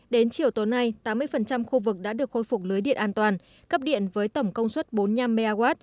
đến chiều tối nay tám mươi khu vực đã được khôi phục lưới điện an toàn cấp điện với tổng công suất bốn mươi năm mw